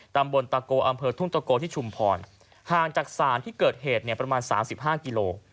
ตำบลตะโกอำเภอทุ่งตะโกที่ชุมพรห่างจากศาลที่เกิดเหตุเนี่ยประมาณ๓๕กิโล